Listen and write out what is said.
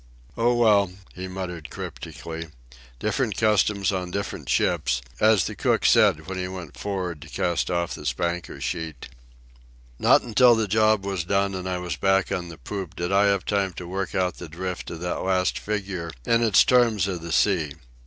"Oh, well," he muttered cryptically, "different customs on different ships, as the cook said when he went for'ard to cast off the spanker sheet." Not until the job was done and I was back on the poop did I have time to work out the drift of that last figure in its terms of the sea.